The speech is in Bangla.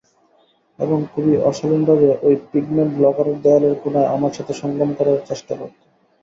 এবং খুবই অশালীনভাবে ঐ পিগমেন্ট লকারের দেয়ালের কোণায় আমার সাথে সঙ্গম করার চেষ্টা করত।